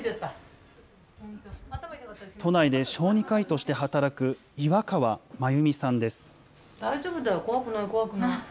都内で小児科医として働く岩川眞由美さんです。